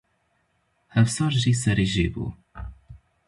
Hevsar jî serî jêbû.